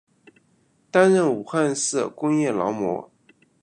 担任武汉市工业劳模。